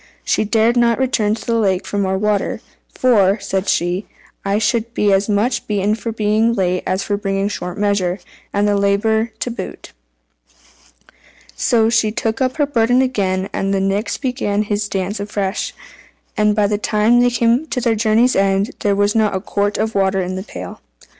She dared not return to the lake for more water "for," said she, "I should be as much beaten for being late as for bringing short measure, and have the labour to boot." So she took up her burden again, and the Nix began his dance afresh, and by the time they came to their journey's end, there was not a quart of water in the pail.